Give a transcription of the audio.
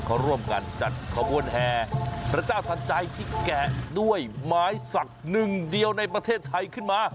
เขาร่วมกันจัดขบวนแห่พระเจ้าทันใจที่แกะด้วยไม้สักหนึ่งเดียวในประเทศไทยขึ้นมา